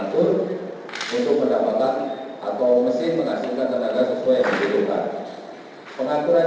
pengaturan ini akan mengerahkan trotel dua yang di kiri dan kanan